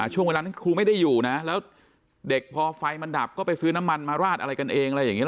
ช่วงเวลานั้นครูไม่ได้อยู่นะแล้วเด็กพอไฟมันดับก็ไปซื้อน้ำมันมาราดอะไรกันเองอะไรอย่างนี้